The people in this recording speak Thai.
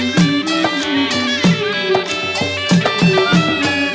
กูจะสู้ทั้งหมด